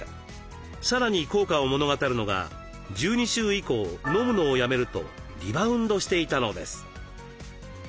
さらに効果を物語るのが１２週以降飲むのをやめるとリバウンドしていたのです。